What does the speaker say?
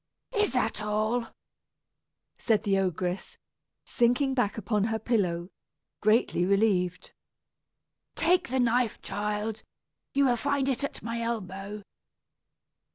"Is that all?" said the ogress, sinking back upon her pillow, greatly relieved. "Take the knife, child; you will find it at my elbow."